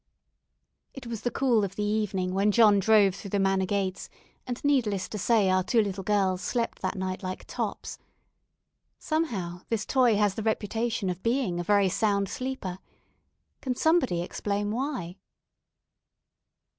It was the cool of the evening when John drove through the manor gates, and needless to say our two little girls slept that night like tops. Somehow this toy has the reputation of being a very sound sleeper. Can somebody explain why?